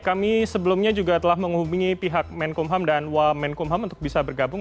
kami sebelumnya juga telah menghubungi pihak menkumham dan wamenkumham untuk bisa bergabung